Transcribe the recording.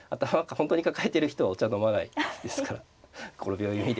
本当に抱えてる人はお茶飲まないですからこの秒読みで。